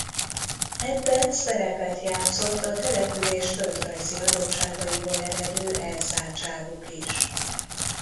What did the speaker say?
Ebben szerepet játszott a település földrajzi adottságaiból eredő elzártságuk is.